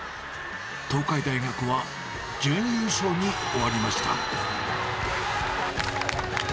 東海大学は準優勝に終わりました。